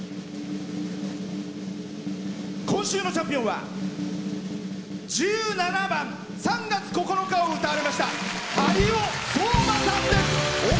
今週のチャンピオンは１７番「３月９日」を歌われましたはりおさんです。